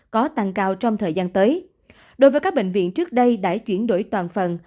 có tăng cao trong thời gian tới đối với các bệnh viện trước đây đã chuyển đổi toàn phần